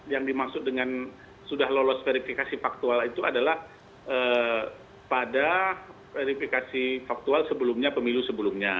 yang dimaksud dengan sudah lolos verifikasi faktual itu adalah pada verifikasi faktual sebelumnya pemilu sebelumnya